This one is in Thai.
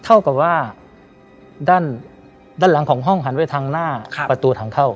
เท่ากับว่าด้านหลังของห้องหันไปทางหน้าประตูทางเข้า